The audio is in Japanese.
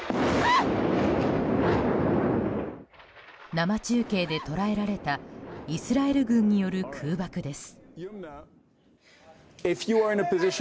生中継で捉えられたイスラエル軍による空爆です。